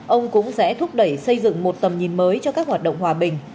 ông cũng sẽ thúc đẩy xây dựng một tầm nhìn mới cho các hoạt động hòa bình